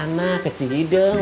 kau kecil hidung